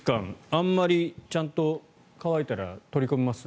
あんまりちゃんと乾いたら取り込みます？